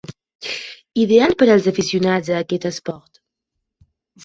Ideal per als aficionats a aquest esport.